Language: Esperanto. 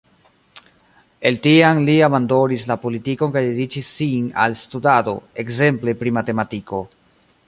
El tiam li abandonis la politikon kaj dediĉis sin al studado, ekzemple pri matematiko.